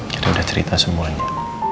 kita udah cerita semuanya